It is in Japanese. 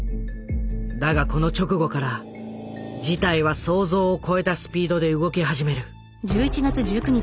だがこの直後から事態は想像を超えたスピードで動き始める。